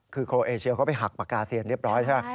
คือโครเอเชียเขาไปหักปากกาเซียนเรียบร้อยใช่ไหม